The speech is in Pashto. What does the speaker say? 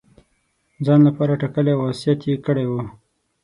ځان لپاره ټاکلی او وصیت یې کړی وو.